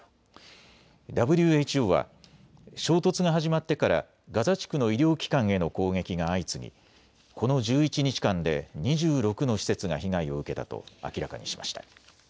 ＷＨＯは衝突が始まってからガザ地区の医療機関への攻撃が相次ぎ、この１１日間で２６の施設が被害を受けたと明らかにしました。